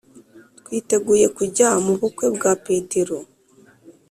twiteguye kujya mubukwe bwa petero